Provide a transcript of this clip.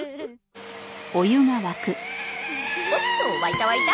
おっと沸いた沸いた。